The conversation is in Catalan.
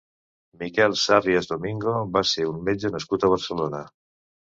Miquel Sarrias Domingo va ser un metge nascut a Barcelona.